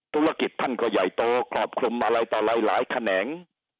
ธุรกิจท่านก็ใหญ่โตครอบคลุมอะไรต่ออะไรหลายแขนง